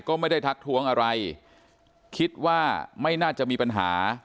ก็ไม่ได้ทักท้วงอะไรคิดว่าไม่น่าจะมีปัญหา